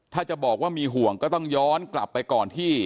ถ้าจะบอกว่ามีห่วงก็ต้องย้อนกลับไปก่อนที่